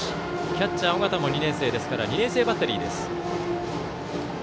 キャッチャー、尾形も２年生ですから２年生バッテリーです。